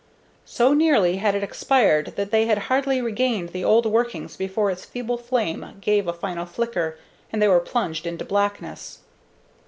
So nearly had it expired that they had hardly regained the old workings before its feeble flame gave a final flicker, and they were plunged into blackness.